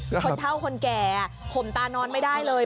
คนเท่าคนแก่ข่มตานอนไม่ได้เลย